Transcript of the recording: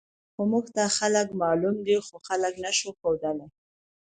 خو موږ ته خلک معلوم دي، خو خلک نه شو ښودلی.